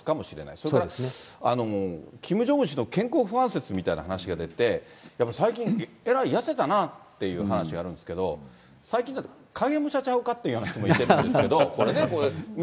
それから、キム・ジョンウン氏の健康不安説みたいな話が出て、やっぱり最近、えらい痩せたなっていう話あるんだけれども、最近だと、影武者ちゃうかっていう人もいるんですけれども、これね、こういう。